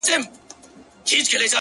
ويني ته مه څښه اوبه وڅښه-